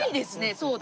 そうだ！